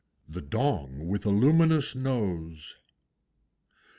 THE DONG WITH A LUMINOUS NOSE.